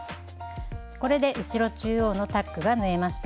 これで後ろ中央のタックが縫えました。